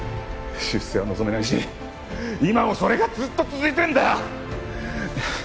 出世は望めないし今もそれがずっと続いてるんだよ！